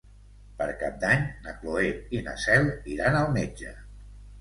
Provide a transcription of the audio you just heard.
Per Cap d'Any na Cloè i na Cel iran al metge.